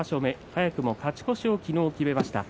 早くも勝ち越しを昨日決めました。